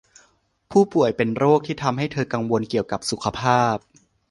ผู้ป่วยเป็นโรคที่ทำให้เธอเป็นกังวลเกี่ยวกับสุขภาพ